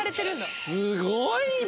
すごいな。